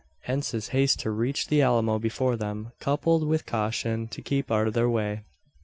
Hence his haste to reach the Alamo before them coupled with caution to keep out of their way.